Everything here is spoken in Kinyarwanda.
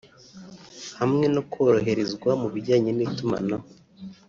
hamwe no koroherezwa mu bijyanye n’itumanaho